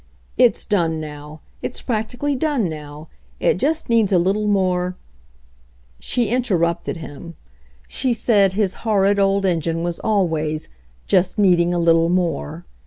"It's done now. It's practically done now. It just needs a little more " She interrupted him. She said his horrid old engine was always "just needing a little more."